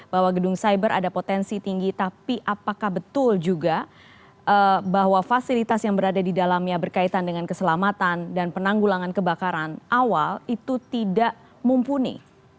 bahwa gedung cyber ada potensi tinggi tapi apakah betul juga bahwa fasilitas yang berada di dalamnya berkaitan dengan keselamatan dan penanggulangan kebakaran awal itu tidak mumpuni